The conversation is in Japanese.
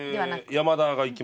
山田がいきます。